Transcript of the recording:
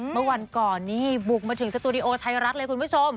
เมื่อวันก่อนนี่บุกมาถึงสตูดิโอไทยรัฐเลยคุณผู้ชม